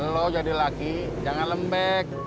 lo jadi lagi jangan lembek